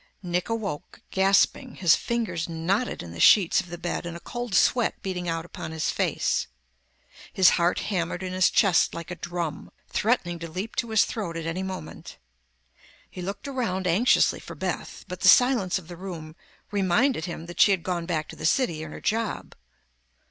Nick awoke gasping, his fingers knotted in the sheets of the bed and a cold sweat beading out upon his face. His heart hammered in his chest like a drum, threatening to leap to his throat at any moment. He looked around anxiously for Beth, but the silence of the room reminded him that she had gone back to the city and her job.